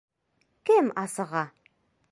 — Кем асыға?